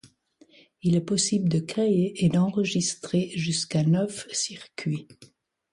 Il est possible de créer et d'enregistrer jusqu'à neuf circuits.